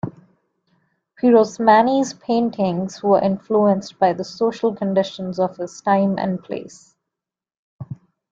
Pirosmani's paintings were influenced by the social conditions of his time and place.